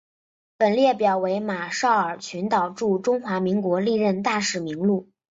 本列表为马绍尔群岛驻中华民国历任大使名录。